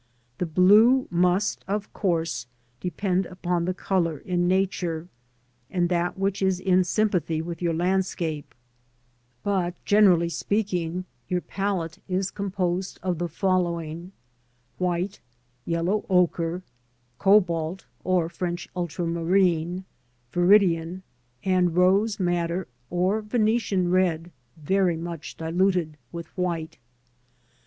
The blue must, of course, depend upon the colour in Nature, and that which is in sympathy with your landscape; but, generally speaking, your sky ^m 68 LANDSCAPE PAINTING IN OIL COLOUR. palette is composed of the following: — ^White, yellow ochre, cobalt or French ultramarine, viridian, and rose madder or Venetian red, very much diluted with white.